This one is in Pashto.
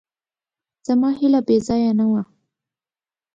زما هیله بېځایه نه وه.